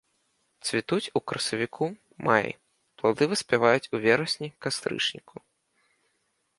Цвітуць у красавіку-маі, плады выспяваюць у верасні-кастрычніку.